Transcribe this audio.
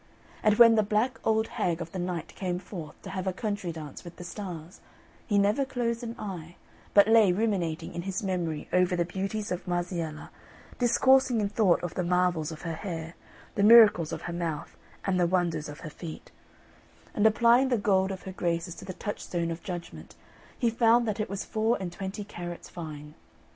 And when the black old hag of the Night came forth to have a country dance with the Stars, he never closed an eye, but lay ruminating in his memory over the beauties of Marziella, discoursing in thought of the marvels of her hair, the miracles of her mouth, and the wonders of her feet; and applying the gold of her graces to the touchstone of judgment, he found that it was four and twenty carats fine.